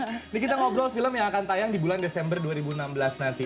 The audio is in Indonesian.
ini kita ngobrol film yang akan tayang di bulan desember dua ribu enam belas nanti